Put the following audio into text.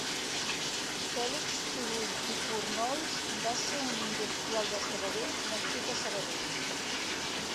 Fèlix Turull i Fournols va ser un industrial de Sabadell nascut a Sabadell.